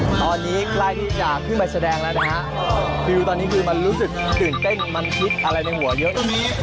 ตอนนี้ใกล้ที่จะขึ้นไปแสดงแล้วนะฮะวิวตอนนี้คือมันรู้สึกตื่นเต้นมันคิดอะไรในหัวเยอะ